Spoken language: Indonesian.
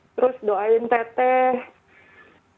terus doain teteh